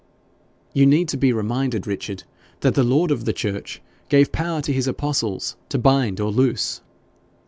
'You need to be reminded, Richard, that the Lord of the church gave power to his apostles to bind or loose.'